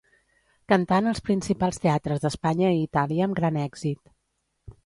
Cantà en els principals teatres d'Espanya i Itàlia amb gran èxit.